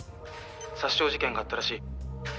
「殺傷事件があったらしい」